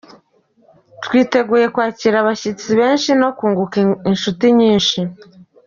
Twiteguye kwakira abashyitsi benshi no kunguka inshuti nyinshi.